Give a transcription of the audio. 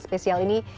dan spesial ini